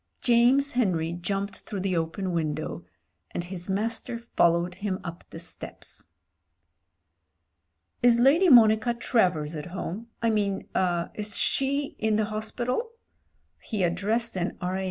James Henry jumped through the open window, and his master followed him up the steps. "Is Lady Monica Travers at home; I mean— er — is she in the hospital?" He addressed an R.